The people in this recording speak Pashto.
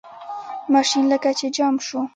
ماشین لکه چې جام شو.